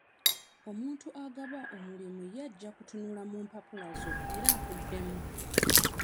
Omuntu agaba omulimu ye ajja kutunula mu mpapula zo era akuddemu.